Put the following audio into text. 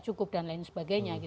cukup dan lain sebagainya